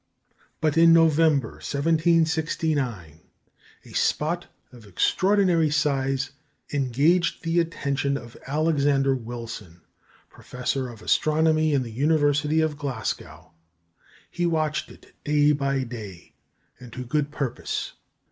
But in November, 1769, a spot of extraordinary size engaged the attention of Alexander Wilson, professor of astronomy in the University of Glasgow. He watched it day by day, and to good purpose.